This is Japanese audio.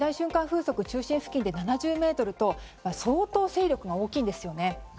風速は中心付近で７０メートルと相当、勢力が大きいんですよね。